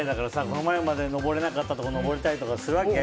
この前まで登れなかったところに登れたりするわけ。